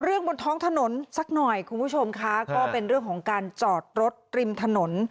บนท้องถนนสักหน่อยคุณผู้ชมค่ะก็เป็นเรื่องของการจอดรถริมถนน